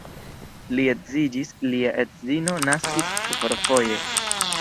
Li edziĝis, lia edzino naskis kvarfoje.